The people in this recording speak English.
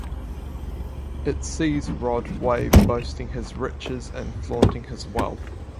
It sees Rod wave boasting his riches and flaunting his wealth.